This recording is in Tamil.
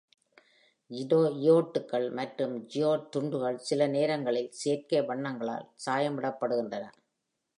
ஜியோட்கள் மற்றும் ஜியோட் துண்டுகள் சில நேரங்களில் செயற்கை வண்ணங்களால் சாயமிடப்படுகின்றன.